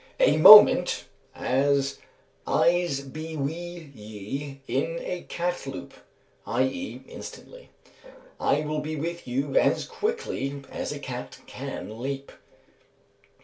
A moment; as, "I'se be wi' ye in a catloup" i.e., instantly. "I will be with you as quickly as a cat can leap."